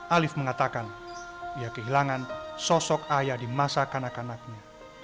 alif mengatakan ia kehilangan sosok ayah di masa kanak kanaknya